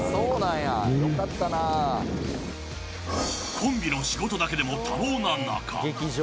コンビの仕事だけでも多忙な中。